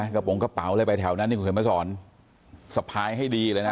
กระโปรงกระเป๋าอะไรไปแถวนั้นนี่คุณเขียนมาสอนสะพายให้ดีเลยนะ